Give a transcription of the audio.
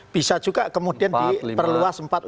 bisa juga kemudian di perluas empat lima